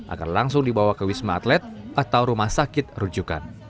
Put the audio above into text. akan langsung dibawa ke wisma atlet atau rumah sakit rujukan